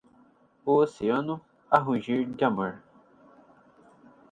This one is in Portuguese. O oceano, a rugir d'amor